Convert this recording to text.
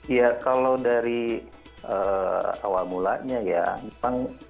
ya kalau dari awal mulanya ya memang